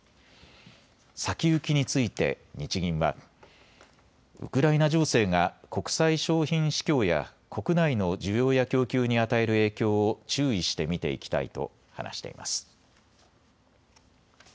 先行きについて日銀はウクライナ情勢が国際商品市況や国内の需要や供給に与える影響を注意して見ていきたいと話しています。